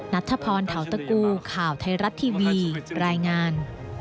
นัทธพรเทาตะกูข่าวไทยรัฐทีวีรายงาน